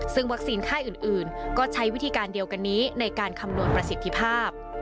ซึ่งวัคซีนค่ายอื่นก็ใช้วิธีการเดียวกันนี้ในการคำนวณประสิทธิภาพ